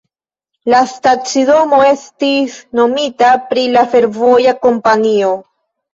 La stacidomo estis nomita pri la fervoja kompanio.